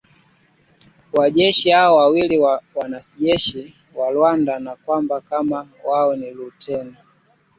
wanajeshi hao wawili ni wanajeshi wa Rwanda na kwamba kamanda wao ni Luteni